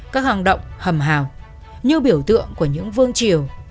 các hang động hầm hào như biểu tượng của những vương triều